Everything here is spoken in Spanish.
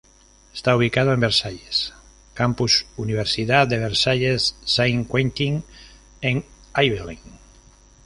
Está ubicado en Versalles, campus Universidad de Versailles Saint Quentin en Yvelines.